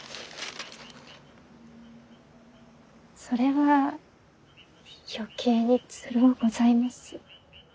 それは余計につろうございます。